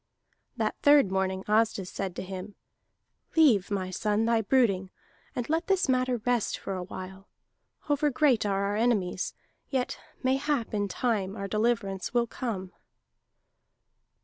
That third morning Asdis said to him: "Leave, my son, thy brooding, and let this matter rest for a while. Over great are our enemies, yet mayhap in time our deliverance will come."